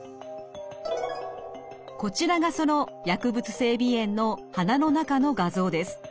こちらがその薬物性鼻炎の鼻の中の画像です。